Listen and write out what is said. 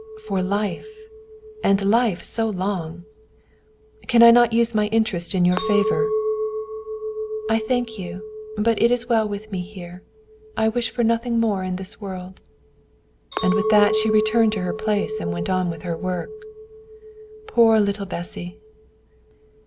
For life! and life so long! "Can I not use my interest in your favour?" "I thank you, but it is well with me here. I wish for nothing more in this world." And with that she returned to her place and went on with her work. Poor little Bessy!